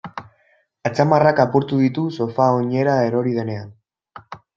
Atzamarrak apurtu ditu sofa oinera erori denean.